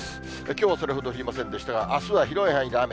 きょうはそれほど降りませんでしたが、あすは広い範囲で雨。